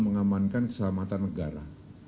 mengamankan keselamatan negara